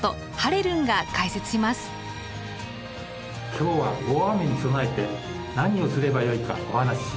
「今日は大雨に備えて何をすればよいかお話しします」。